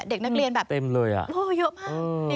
เด็กนักเรียนแบบเยอะมาก